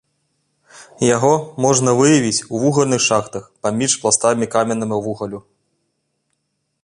Яго можна выявіць у вугальных шахтах паміж пластамі каменнага вугалю.